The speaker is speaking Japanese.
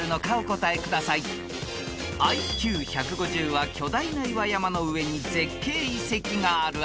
［ＩＱ１５０は巨大な岩山の上に絶景遺跡がある